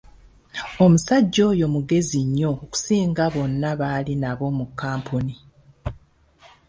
Omusajja oyo mugezi nnyo okusinga bonna baali nabo mu kkampuni.